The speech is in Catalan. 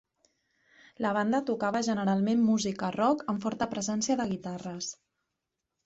La banda tocava generalment música rock amb forta presència de guitarres.